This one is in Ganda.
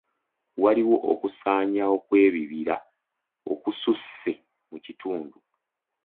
Waliwo okusaanyawo kw'ebibira okususse mu kitundu.